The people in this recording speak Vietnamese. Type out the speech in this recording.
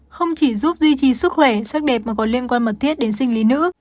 không chỉ giúp duy trì sức khỏe sắc đẹp mà còn liên quan mật thiết đến sinh lý nữ